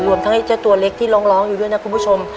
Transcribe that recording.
รวมทั้งเจ้าตัวเล็กที่ร้องอยู่ด้วยนะคุณผู้ชม